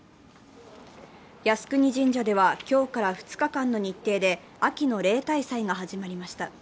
靖国神社では今日から２日間の日程で、秋の例大祭が始まりました。